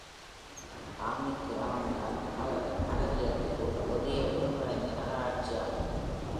Ahmeek கிராமம்தான், நகரியத்தில் உள்ள ஒரே ஒருங்கிணைந்த நகராட்சி ஆகும்.